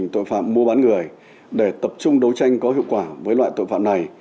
tình hình tội phạm mùa bán người để tập trung đấu tranh có hiệu quả với loại tội phạm này